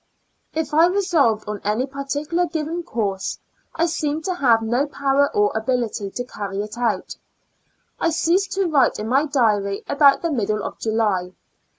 If I resolved on any particular given course, I seemed to have no power or ability to carry it out. I ceased to write in my diary about the middle of July.